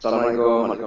selamat malam pak agus